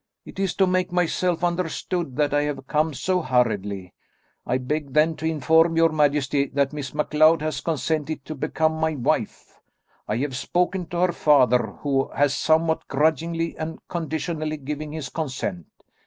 "It is to make myself understood that I have come so hurriedly. I beg then to inform your majesty, that Miss MacLeod has consented to become my wife. I have spoken to her father, who has somewhat grudgingly and conditionally given his consent.